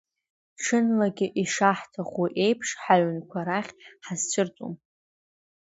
Ҽынлагьы, ишаҳҭаху еиԥш ҳаҩнқәа рахь ҳазцәырҵуам…